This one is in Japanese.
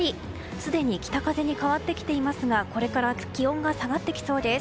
すでに北風に変わってきていますがこれから気温が下がってきそうです。